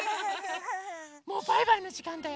もうバイバイのじかんだよ。